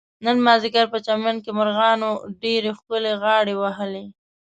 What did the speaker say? نن مازدیګر په چمن کې مرغانو ډېر ښکلې غاړې وهلې.